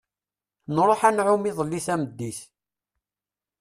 Nruḥ ad nεumm iḍelli tameddit.